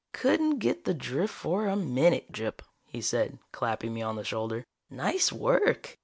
"Couldn't get the drift for a minute, Gyp," he said, clapping me on the shoulder. "Nice work!